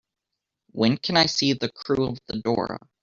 When can I see The Crew of the Dora